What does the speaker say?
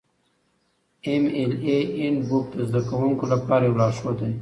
د ایم ایل اې هینډبوک د زده کوونکو لپاره یو لارښود دی.